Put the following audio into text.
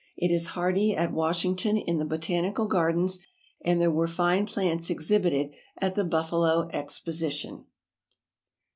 It is hardy at Washington in the Botanical Gardens and there were fine plants exhibited at the Buffalo Exposition.